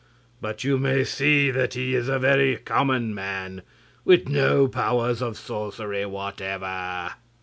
But you may see that he is a very common man, with no powers of sorcery whatever!"